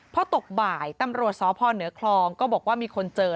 พอตกบ่ายตำรวจสพเหนือคลองก็บอกว่ามีคนเจอ